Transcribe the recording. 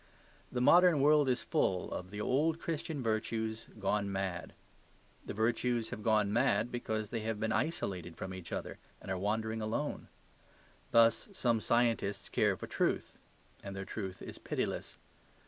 The modern world is full of the old Christian virtues gone mad. The virtues have gone mad because they have been isolated from each other and are wandering alone. Thus some scientists care for truth; and their truth is pitiless.